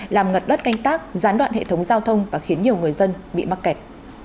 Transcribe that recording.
làm ngập đất canh tác gián đoạn hệ thống giao thông và khiến nhiều người dân bị mắc kẹt